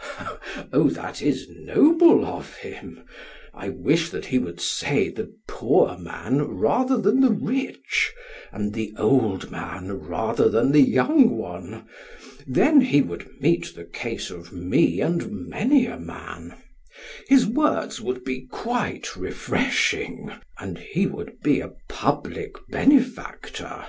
SOCRATES: O that is noble of him! I wish that he would say the poor man rather than the rich, and the old man rather than the young one; then he would meet the case of me and of many a man; his words would be quite refreshing, and he would be a public benefactor.